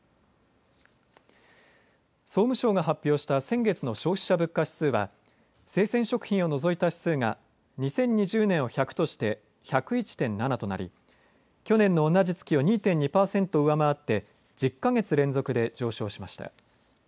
総務省が発表した先月の消費者物価指数は生鮮食品を除いた指数が２０２０年を１００として１０１．７となり去年の同じ月を２．２％％上回って１０か月連続で上昇しました。